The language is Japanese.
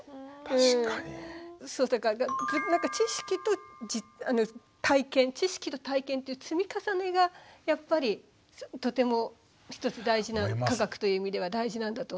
だから知識と体験知識と体験という積み重ねがやっぱりとてもひとつ大事な科学という意味では大事なんだと思うのね。